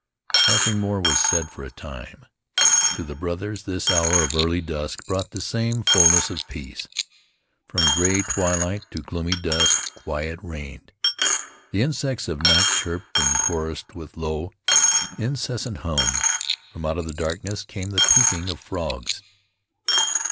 Nothing more was said for a time. To the brothers this hour of early dusk brought the same fullness of peace. From gray twilight to gloomy dusk quiet reigned. The insects of night chirped and chorused with low, incessant hum. From out the darkness came the peeping of frogs.